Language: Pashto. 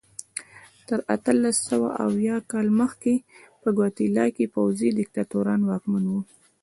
تر اتلس سوه یو اویا کال مخکې په ګواتیلا کې پوځي دیکتاتوران واکمن وو.